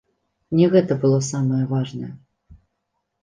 Не гэта было самае важнае!